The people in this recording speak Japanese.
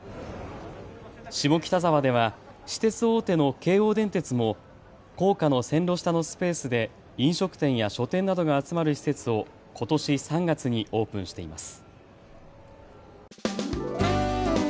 下北沢では私鉄大手の京王電鉄も高架の線路下のスペースで飲食店や書店などが集まる施設をことし３月にオープンしています。